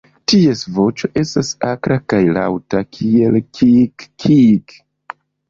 Ties voĉo estas akra kaj laŭta, kiel kiik-kiik!!